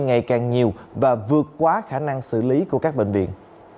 ngày càng nhiều và vượt quá khả năng xử lý của các bệnh viện